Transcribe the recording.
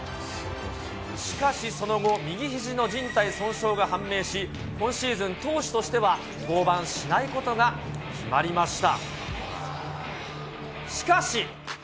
しかしその後、右ひじのじん帯損傷が判明し、今シーズン、投手としては登板しないことが決まりました。